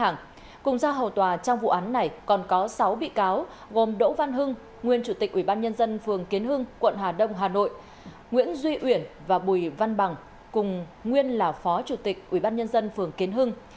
nguyễn duy uyển và bùi văn bằng cùng nguyên là phó chủ tịch ubnd phường kiến hưng